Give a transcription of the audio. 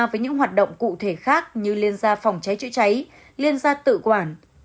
với những hoạt động cụ thể khác như liên gia phòng cháy chữa cháy liên gia tự quản